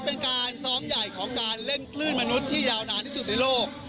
เป็นการซ้อมใหญ่ของการเล่นคลื่นมนุษย์ที่ยาวนานที่สุดในโลก